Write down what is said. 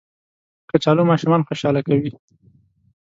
کچالو ماشومان خوشحاله کوي